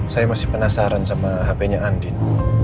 saya masih penasaran sama hpnya andin